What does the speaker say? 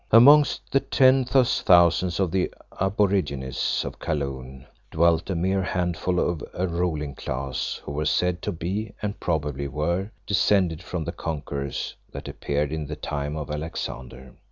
Amongst the tens of thousands of the aborigines of Kaloon dwelt a mere handful of a ruling class, who were said to be and probably were descended from the conquerors that appeared in the time of Alexander.